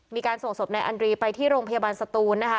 มีการส่งศพนายอันรีไปที่โรงพยาบาลสตูนนะคะ